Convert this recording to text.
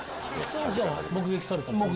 それを目撃されたんですか？